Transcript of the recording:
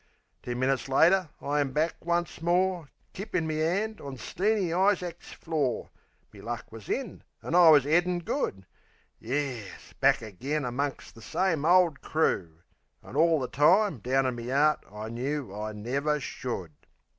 Ten minutes later I was back once more, Kip in me 'and, on Steeny Isaac's floor, Me luck was in an' I wus 'eadin' good. Yes, back agen amongst the same old crew! An' orl the time down in me 'eart I knew I never should...